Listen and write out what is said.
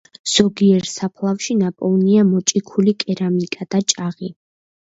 ზოგიერთ საფლავში ნაპოვნია მოჭიქული კერამიკა და ჭაღი.